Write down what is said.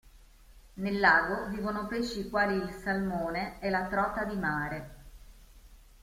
Nel lago vivono pesci quali il salmone e la trota di mare.